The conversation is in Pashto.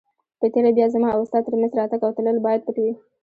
په تېره بیا زما او ستا تر مینځ راتګ او تلل باید پټ وي.